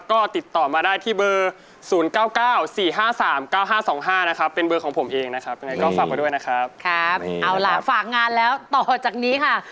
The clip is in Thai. ก็ไม่รู้ว่า